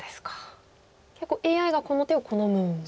結構ＡＩがこの手を好むんですね。